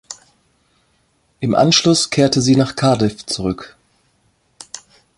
Im Anschluss kehrte sie nach Cardiff zurück.